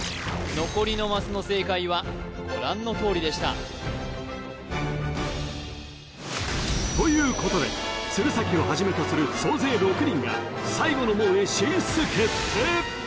残りのマスの正解はご覧のとおりでしたということで鶴崎をはじめとする総勢６人が最後の門へ進出決定！